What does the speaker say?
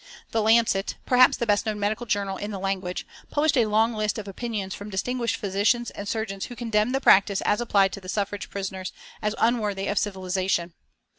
The Lancet, perhaps the best known medical journal in the language, published a long list of opinions from distinguished physicians and surgeons who condemned the practice as applied to the suffrage prisoners as unworthy of civilisation.